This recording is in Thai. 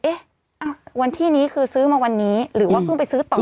วันที่นี้คือซื้อมาวันนี้หรือว่าเพิ่งไปซื้อต่อ